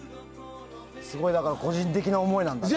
だから個人的な思いなんだね。